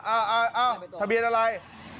อะไรถะเบียนอะไร